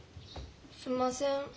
すんません。